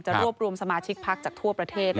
รวบรวมสมาชิกพักจากทั่วประเทศ